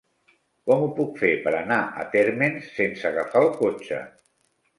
Com ho puc fer per anar a Térmens sense agafar el cotxe?